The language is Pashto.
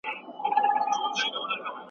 خپله بستره او کالي وخت په وخت لمر ته کړئ.